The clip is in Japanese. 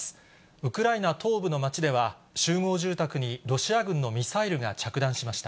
ウクライナ東部の町では、集合住宅にロシア軍のミサイルが着弾しました。